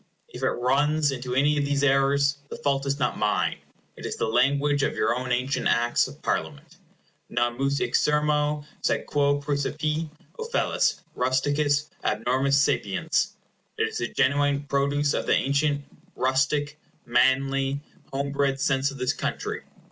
If it runs into any of these errors, the fault is not mine. It is the language of your own ancient Acts of Parliament. "Non meus hic sermo, sed quæ præcepit Ofellus, Rusticus, abnormis sapiens." It is the genuine produce of the ancient, rustic, manly, homebred sense of this country.